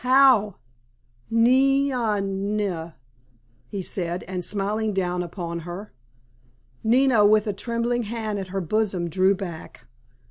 "How, Nee ah nah," he said, and smiled down upon her. Nina, with a trembling hand at her bosom, drew back.